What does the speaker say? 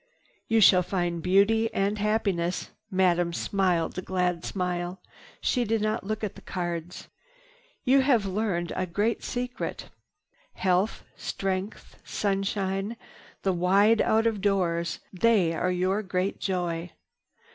"You shall find beauty and happiness." Madame smiled a glad smile. She did not look at the cards. "You have learned a great secret. Health, strength, sunshine, the wide out of doors—they are your great joy.